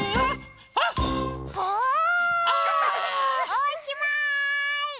おしまい！